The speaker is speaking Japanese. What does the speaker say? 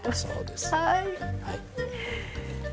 はい。